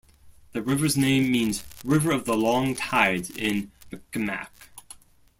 The river's name means "river of the long tides" in Mi'kmaq.